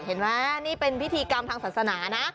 เห็นไหมนี่เป็นพิธีกรรมทางศาสนานะ